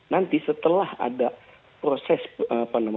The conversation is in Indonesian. nanti setelah ada proses apa namanya asas penerbangan proses pemilihan nanti